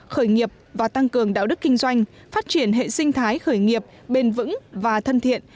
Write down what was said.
khởi nghiệp và tăng cường đạo đức kinh doanh phát triển hệ sinh thái khởi nghiệp bền vững và thân thiện